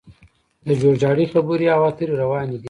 د جوړجاړي خبرې او اترې روانې دي